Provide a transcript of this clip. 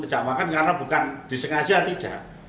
tidak makan karena bukan disengaja tidak